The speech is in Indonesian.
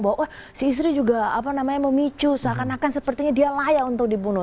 bahwa si istri juga memicu seakan akan sepertinya dia layak untuk dibunuh